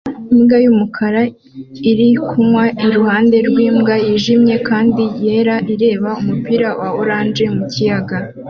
Imbwa y'umukara iri kunywa iruhande rw'imbwa yijimye kandi yera ireba umupira wa orange mu kiyaga